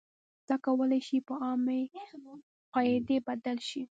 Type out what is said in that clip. دا کولای شي په عامې قاعدې بدل شي.